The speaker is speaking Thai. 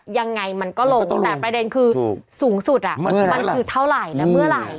ยังไงมันก็ลงแต่ประเด็นคือสูงสุดมันคือเท่าไหร่และเมื่อไหร่